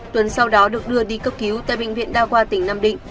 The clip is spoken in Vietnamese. tuấn sau đó được đưa đi cấp cứu tại bệnh viện đa khoa tỉnh nam định